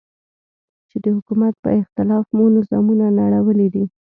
چې د حکومت په اختلاف مو نظامونه نړولي دي.